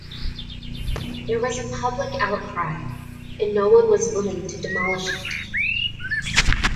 There was a public outcry, and no one was willing to demolish it.